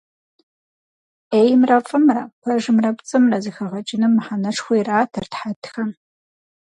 Ӏеймрэ фӏымрэ, пэжымрэ пцӏымрэ зэхэгъэкӏыным мыхьэнэшхуэ иратырт хьэтхэм.